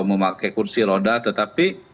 memakai kursi roda tetapi